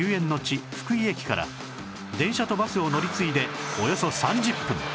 福井駅から電車とバスを乗り継いでおよそ３０分